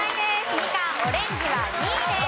ミカンオレンジは２位です。